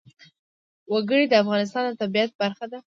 وګړي د افغانستان د طبیعت برخه ده.